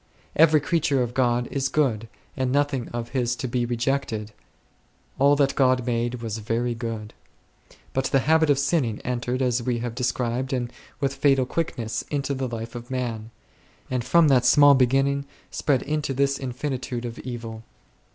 Every creature of God is good, and nothing of His " to be re jected" ; all that God made was "very good7." But the habit of sinning entered as we have de scribed, and with fatal quickness, into the life of man ; and from that small beginning spread into this infinitude of evil.